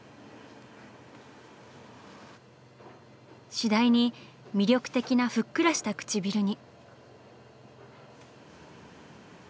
次第に魅力的なふっくらした唇に。